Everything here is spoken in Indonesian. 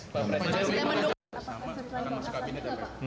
pak presiden apa misinya sama akan masuk kabinet